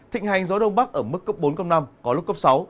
thịnh hành gió đông bắc ở mức cấp bốn năm có lúc cấp sáu